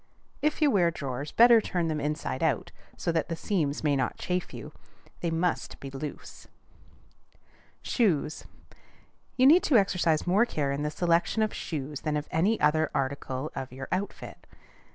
If you wear drawers, better turn them inside out, so that the seams may not chafe you. They must be loose. SHOES. You need to exercise more care in the selection of shoes than of any other article of your outfit.